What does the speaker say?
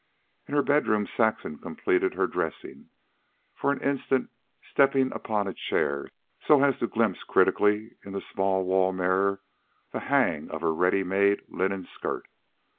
In her bedroom Saxon completed her dressing, for an instant stepping upon a chair so as to glimpse critically in the small wall mirror the hang of her ready made linen skirt.